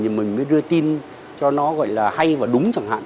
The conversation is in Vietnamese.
thì mình mới đưa tin cho nó gọi là hay và đúng chẳng hạn